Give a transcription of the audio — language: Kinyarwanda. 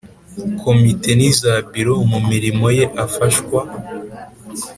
Komite n iza Biro Mu mirimo ye afashwa